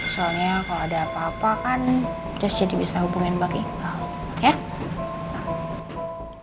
soalnya kalau ada apa apa kan jess jadi bisa hubungin bang iqbal